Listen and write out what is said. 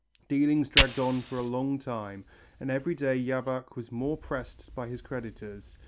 Dealings dragged on for a long time, and every day Jabach was more pressed by his creditors.